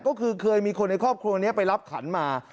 ก็คือเคยมีคนในครอบครัวนี้ไปรับขันมา